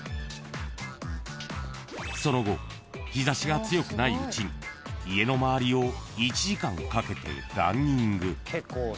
［その後日差しが強くないうちに家の周りを１時間かけてランニング］